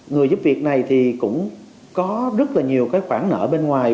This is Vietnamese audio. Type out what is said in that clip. người giúp việc này thì cũng có rất là nhiều cái khoản nợ bên ngoài